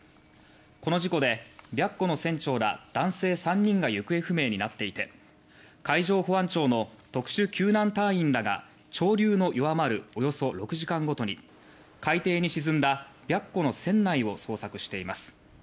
この事故で「白虎」の船長ら３人が行方不明になっていて海上保安庁の特殊救難隊員らが潮流の弱まるおよそ６時間ごとに海底に沈んだ「白虎」の船内を捜索しています。